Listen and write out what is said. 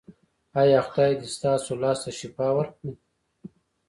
ایا خدای دې ستاسو لاس ته شفا ورکړي؟